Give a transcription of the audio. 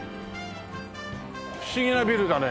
不思議なビルだね。